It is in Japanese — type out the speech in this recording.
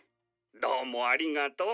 「どうもありがとう」